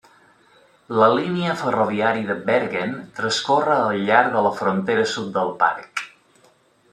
La línia ferroviària de Bergen transcorre al llarg de la frontera sud del parc.